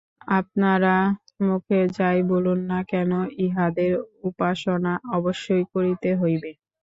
আপনারা মুখে যাই বলুন না কেন, ইহাদের উপাসনা অবশ্যই করিতে হইবে।